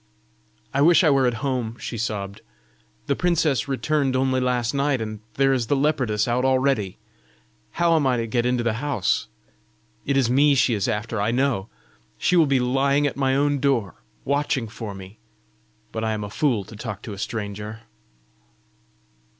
"I wish I were at home!" she sobbed. "The princess returned only last night, and there is the leopardess out already! How am I to get into the house? It is me she is after, I know! She will be lying at my own door, watching for me! But I am a fool to talk to a stranger!"